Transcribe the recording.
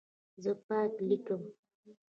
زه پاک لیکم.